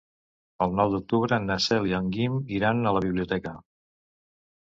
El nou d'octubre na Cel i en Guim iran a la biblioteca.